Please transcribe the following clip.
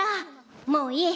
もういい！